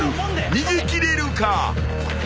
逃げ切れるか？］